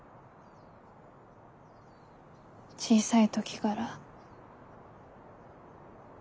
小さい時がら。